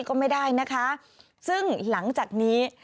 ก็ไม่ได้นะคะซึ่งหลังจากนี้